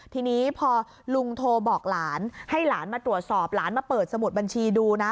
ทีนี้พอลุงโทรบอกหลานให้หลานมาตรวจสอบหลานมาเปิดสมุดบัญชีดูนะ